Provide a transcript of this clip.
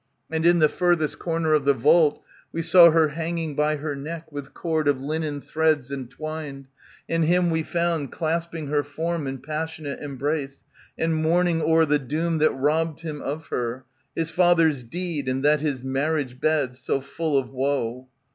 183 ANTIGONE And, in the furthest corner of the vault, ^^ We saw her hanging by her neck, with cord Of linen threads entwined, and him we found Clasping her form in passionate embrace. And mourning o'er the doom that robbed him of her, His father's deed, and that his marriage bed. So full of woe.